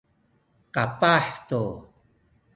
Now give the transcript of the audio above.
kapah tu